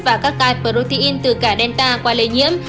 và các ca protein từ cả delta qua lây nhiễm